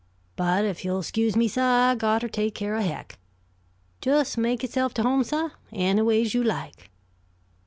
But if you'll 'scuse me, suh, I got ter take care o' Hec. Jest make yourself to home, suh, anyways you like."